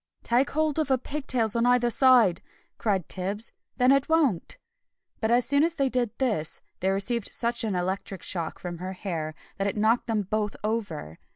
"Take hold of her pig tails on either side," cried Tibbs, "then it won't." But as soon as they did this, they received such an electric shock from her hair that it knocked them both over!